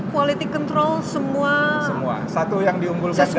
ini quality control semua sesuai dengan spek ya